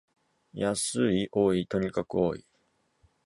安い、多い、とにかく多い